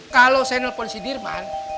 kalau saya nelfon si dirmand